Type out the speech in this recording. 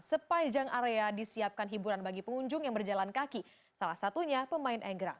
sepanjang area disiapkan hiburan bagi pengunjung yang berjalan kaki salah satunya pemain engrang